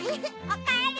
おかえり！